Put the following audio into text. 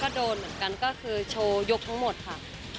ก็โดนเหมือนกันก็คือโชว์ยกทั้งหมดค่ะ